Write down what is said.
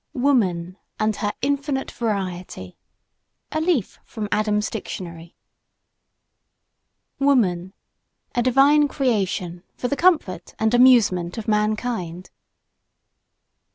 ..] WOMAN AND HER INFINITE VARIETY (A LEAF FROM ADAM'S DICTIONARY.) WOMAN A divine creation for the comfort and amusement of mankind.